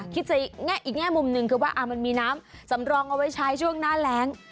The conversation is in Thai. อีกแง่มุมหนึ่งคือว่ามันมีน้ำสำรองเอาไว้ใช้ช่วงหน้าแรง